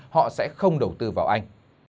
họ sẽ không đầu tư vào anh